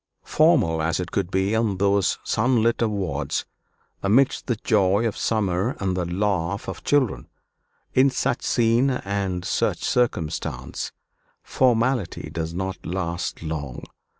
Formal as it could be on those sunlit swards, amidst the joy of summer and the laugh of children. In such scene and such circumstance, formality does not last long.